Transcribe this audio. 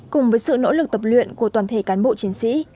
cùng với sự nỗ lực tập luyện của toàn thể cán bộ chiến sĩ